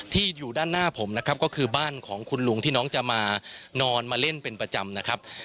ที่อยู่ด้านหน้าผมนะครับก็คือบ้านของคุณลุงที่น้องจะมานอนมาเล่นเป็นประจำนะครับ